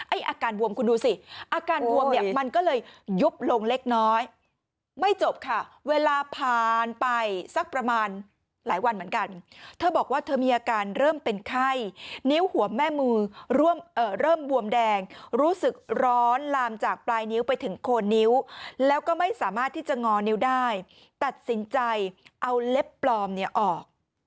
อาการบวมคุณดูสิอาการบวมเนี่ยมันก็เลยยุบลงเล็กน้อยไม่จบค่ะเวลาผ่านไปสักประมาณหลายวันเหมือนกันเธอบอกว่าเธอมีอาการเริ่มเป็นไข้นิ้วหัวแม่มือเริ่มบวมแดงรู้สึกร้อนลามจากปลายนิ้วไปถึงโคนนิ้วแล้วก็ไม่สามารถที่จะงอนิ้วได้ตัดสินใจเอาเล็บปลอมเนี่ยออก